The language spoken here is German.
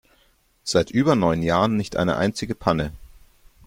Seit über neun Jahren nicht eine einzige Panne.